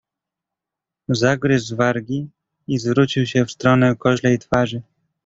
"Zagryzł wargi i zwrócił się w stronę koźlej twarzy."